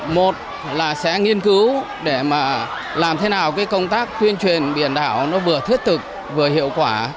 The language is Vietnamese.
một là sẽ nghiên cứu để mà làm thế nào cái công tác tuyên truyền biển đảo nó vừa thiết thực vừa hiệu quả